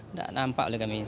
nampak boleh kami